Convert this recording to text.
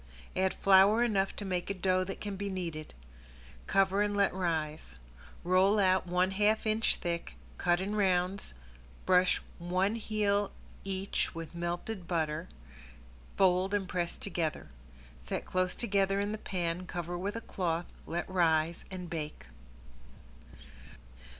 Add flour enough to make a dough that can be kneaded. Cover and let rise. Roll out one half inch thick, cut in rounds, brush one half each with melted butter, fold and press together. Set close together in the pan, cover with a cloth, let rise, and bake.